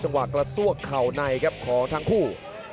จังหวัดกระซวกเข่าในของทั้งคู่